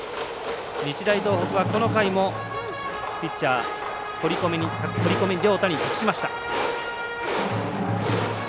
日大東北はこの回もピッチャー堀米涼太に託しました。